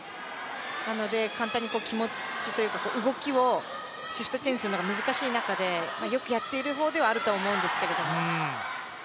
なので簡単に気持ちというか動きをシフトチェンジするのが難しい中でよくやっている方ではあると思うんですけど。